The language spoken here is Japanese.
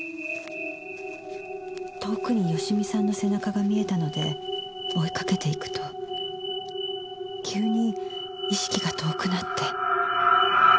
遠くに芳美さんの背中が見えたので追いかけていくと急に意識が遠くなって。